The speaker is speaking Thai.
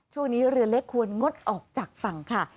ช่วงนี้เรือเล็กควรงดออกจากฝั่งค่ะ